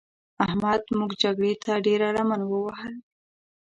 احمد موږ جګړې ته ډېره لمن ووهل.